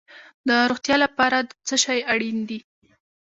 د روغتیا لپاره څه شی اړین دي؟